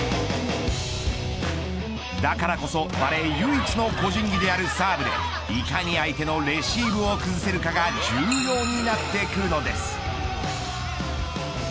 だからこそ、バレー唯一の個人技であるサーブでいかに相手のレシーブを崩せるかが重要になってくるのです。